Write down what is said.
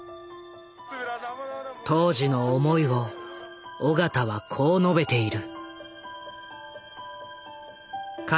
当時の思いを緒方はこう述べている。